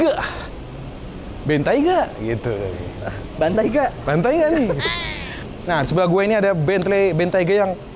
g tiga bentayga gitu bentayga bentayga nih nah sebelah gue ini ada bentley bentayga yang